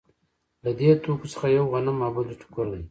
له دې توکو څخه یو غنم او بل یې ټوکر دی